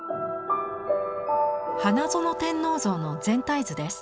「花園天皇像」の全体図です。